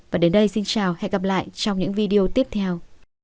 và đến đây xin chào hẹn gặp lại trong những video tiếp theo